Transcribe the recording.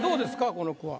この句は。